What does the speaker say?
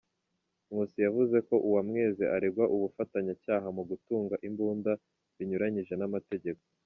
Nkusi yavuze ko Uwamwezi aregwa ubufatanyacyaha mu gutunga imbunda binyuranyije n’amategeko.